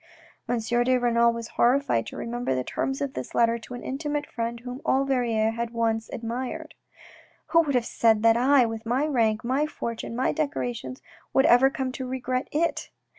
M. de Renal was horrified to remember the terms of this letter to an intimate friend whom all Verrieres had once admired, " Who would have said that I, with my rank, my fortune, my decorations, would ever come to regret it